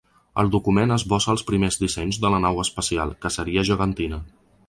El document esbossa els primers dissenys de la nau espacial, que seria gegantina.